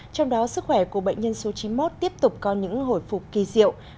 trong đó sức khỏe của bệnh nhân số chín mươi một tiếp tục có những hồi phục kỳ diệu